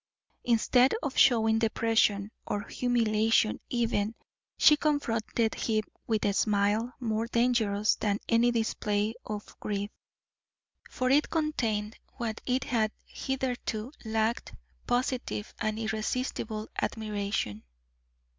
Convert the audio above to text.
Instead of showing depression or humiliation even, she confronted him with a smile more dangerous than any display of grief, for it contained what it had hitherto lacked, positive and irresistible admiration.